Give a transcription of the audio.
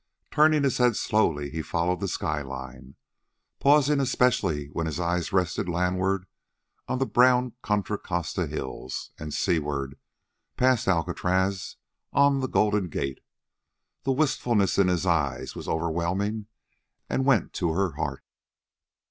Turning his head slowly, he followed the sky line, pausing especially when his eyes rested landward on the brown Contra Costa hills, and seaward, past Alcatraz, on the Golden Gate. The wistfulness in his eyes was overwhelming and went to her heart.